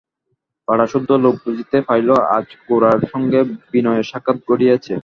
পাড়াসুদ্ধ লোক বুঝিতে পারিল আজ গোরার সঙ্গে বিনয়ের সাক্ষাৎ ঘটিয়াছে।